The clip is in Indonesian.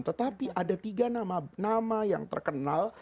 tetapi ada tiga nama yang terkenal